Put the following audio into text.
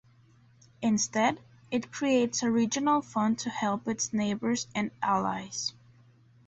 Instead, it creates a regional fund to help its neighbors and allies.